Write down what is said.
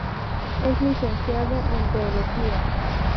Es Licenciado en Teología.